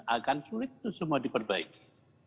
akan sulit itu semua diperbaiki